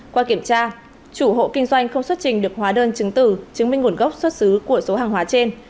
qua kiểm tra chủ hộ kinh doanh không xuất trình được hóa đơn chứng tử chứng minh nguồn gốc xuất xứ của số hàng hóa trên